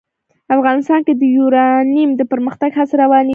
افغانستان کې د یورانیم د پرمختګ هڅې روانې دي.